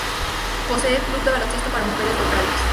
Posee club de baloncesto para mujeres locales.